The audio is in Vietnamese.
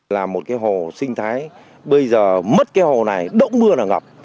là một cái hồ sinh thái bây giờ mất cái hồ này động mưa là ngập